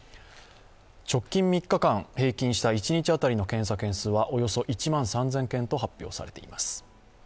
直近３日間平均した一日当たりの検査件数はおよそ１万３０００件と発表されています。